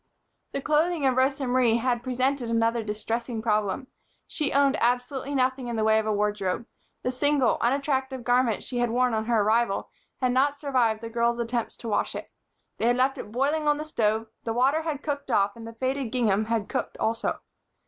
The clothing of Rosa Marie had presented another distressing problem. She owned absolutely nothing in the way of a wardrobe. The single, unattractive garment she had worn on her arrival had not survived the girls' attempts to wash it. They had left it boiling on the stove, the water had cooked off and the faded gingham had cooked also.